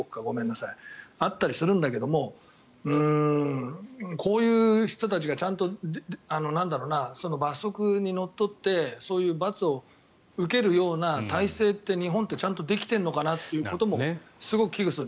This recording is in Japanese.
そういうところもあったりするんだけどこういう人たちが罰則にのっとってそういう罰を受けるような体制って日本ってちゃんとできてるのかなっていうこともすごく危惧する。